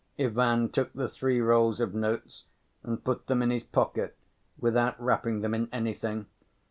Ivan took the three rolls of notes and put them in his pocket without wrapping them in anything.